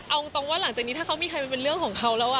เอาตรงว่าหลังจากนี้ถ้าเขามีใครมันเป็นเรื่องของเขาแล้ว